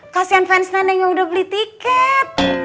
kasian fans tendeng yang udah beli tiket